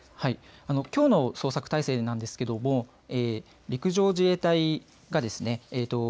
きょうの捜索態勢なんですけども陸上自衛隊がですね